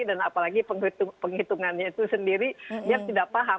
dan apalagi penghitungannya itu sendiri dia tidak paham